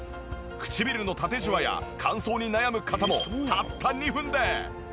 唇の縦ジワや乾燥に悩む方もたった２分で。